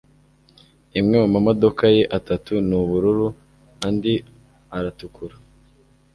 imwe mumamodoka ye atatu ni ubururu andi aratukura